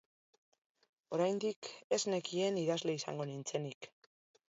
Oraindik ez nekien idazle izango nintzenik.